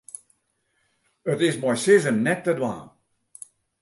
It is mei sizzen net te dwaan.